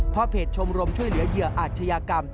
เพราะเพจชมรมช่วยเหลือเหยื่ออาชญากรรม